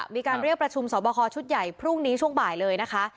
มีการเรียกประชุมสอบคอชุดใหญ่พรุ่งนี้ช่วงบ่ายเลยนะคะ